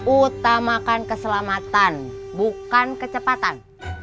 utamakan keselamatan bukan kecepatan